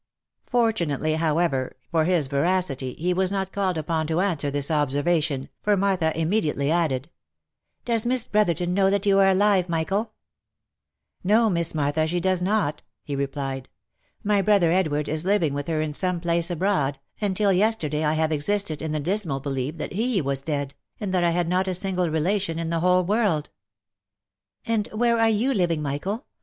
Fortunately, however, for his veracity, he was not called upon to answer this observation, for Martha immediately added, " Does Miss Brotherton know that you are alive, Michael V " No, Miss Martha, she does not," he replied ;" my brother Ed ward is Jiving with her in some place abroad, and till yesterday I have existed in the dismal belief that he was dead, and that I had not a single relation in the whole world." " And where are you living, Michael